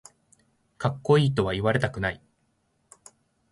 かっこいいとは言われたくない